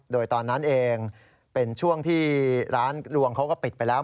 โดยตอนนั้นเองเป็นช่วงที่ร้านลวงเขาก็ปิดไปแล้ว